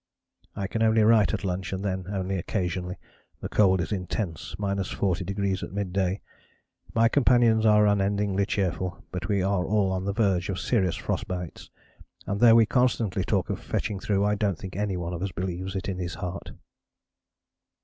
"I can only write at lunch and then only occasionally. The cold is intense, 40° at mid day. My companions are unendingly cheerful, but we are all on the verge of serious frost bites, and though we constantly talk of fetching through I don't think any one of us believes it in his heart.